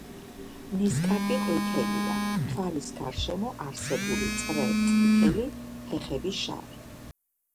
ნისკარტი ყვითელია, თვალის გარშემო არსებული წრე წითელი, ფეხები შავი.